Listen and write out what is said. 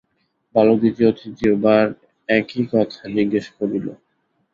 বালক দ্বিতীয় ও তৃতীয় বার একই কথা জিজ্ঞাসা করিল।